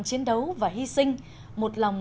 chiến đấu và hy sinh một lòng